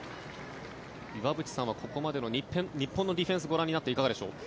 岩渕さんはここまでの日本のディフェンスをご覧になっていかがでしょう？